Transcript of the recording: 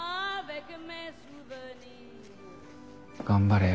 頑張れよ。